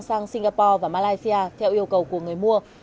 sang singapore và malaysia theo yêu cầu của người mua